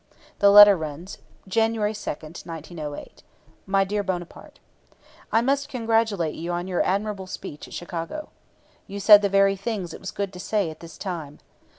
The letter runs: January 2, 1908. My dear Bonaparte: I must congratulate you on your admirable speech at Chicago. You said the very things it was good to say at this time.